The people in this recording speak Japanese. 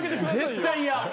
絶対嫌。